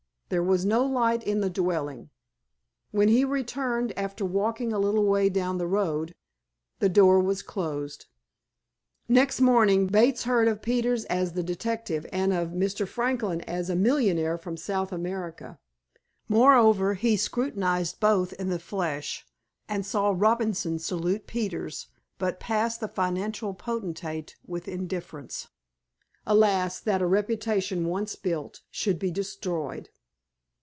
There was no light in the dwelling. When he returned, after walking a little way down the road, the door was closed. Next morning, Bates heard of Peters as the detective and of Mr. Franklin as a "millionaire" from South America. Moreover, he scrutinized both in the flesh, and saw Robinson salute Peters but pass the financial potentate with indifference. Alas, that a reputation, once built, should be destroyed!